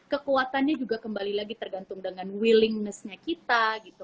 kekuatannya juga kembali lagi tergantung dengan willingness nya kita gitu